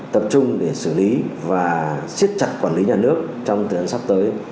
tập trung để xử lý và siết chặt quản lý nhà nước trong thời gian sắp tới